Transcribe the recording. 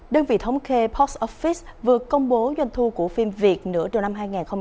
đơn vị thống kê post office vừa công bố doanh thu của phim việt nửa đầu năm hai nghìn hai mươi